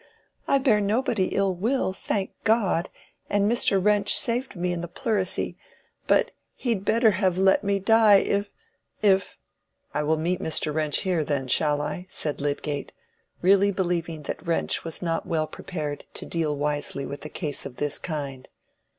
I bear nobody ill will, thank God, and Mr. Wrench saved me in the pleurisy, but he'd better have let me die—if—if—" "I will meet Mr. Wrench here, then, shall I?" said Lydgate, really believing that Wrench was not well prepared to deal wisely with a case of this kind.